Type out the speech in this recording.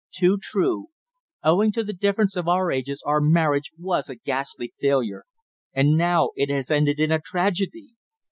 too true. Owing to the difference of our ages our marriage was a ghastly failure. And now it has ended in a tragedy."